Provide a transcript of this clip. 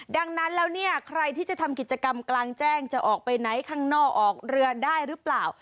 ดังนั้นแล้วเนี่ยใครที่จะทำกิจกรรมกลางแจ้งจะออกไปไหนข้างนอกออกเรือได้หรือเปล่า